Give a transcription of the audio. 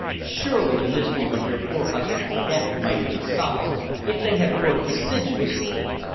Surely the mystery of your poor husband's death might have been solved, if they had worked assiduously."